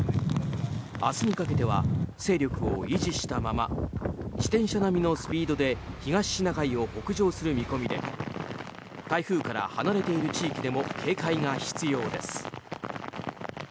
明日にかけては勢力を維持したまま自転車並みのスピードで東シナ海を北上する見込みで台風から離れている地域でも警戒が必要です。